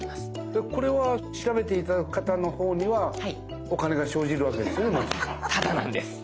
でこれは調べて頂く方のほうにはお金が生じるわけですね？